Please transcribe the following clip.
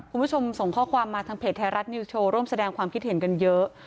คุณผู้ชมส่งข้อความมาทางเพจไทยรัฐนิวโชว์ร่วมแสดงความคิดเห็นกันเยอะ